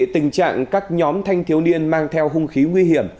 tình trạng các nhóm thanh thiếu niên mang theo hung khí nguy hiểm